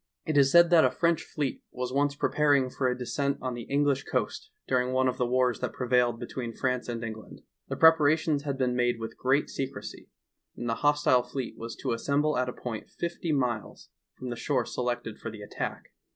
It is said that a French fleet was once preparing for a descent on the English coast during one of the wars that prevailed between France and Eng land. The preparations had been made with great secrecy, and the hostile fleet was to assem ble at a point fifty miles from the shore selected for the attack.